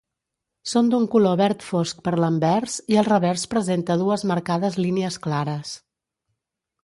Són d'un color verd fosc per l'anvers i el revers presenta dues marcades línies clares.